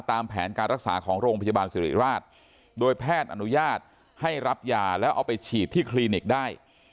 ตามแผนการรักษาของโรงพยาบาลสิริราชโดยแพทย์อนุญาตให้รับยาแล้วเอาไปฉีดที่คลินิกได้